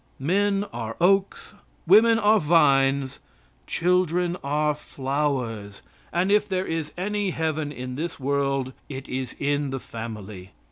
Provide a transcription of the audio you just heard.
Men are oaks, women are vines, children are flowers, and if there is any Heaven in this world, it is in the family.